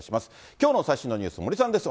きょうの最新のニュース、森さんです。